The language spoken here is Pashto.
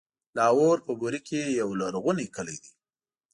لاهور په بوري کې يو لرغونی کلی دی.